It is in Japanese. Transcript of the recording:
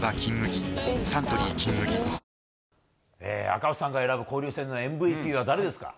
赤星さんが選ぶ交流戦のＭＶＰは誰ですか？